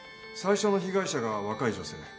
最初の被害者が若い女性。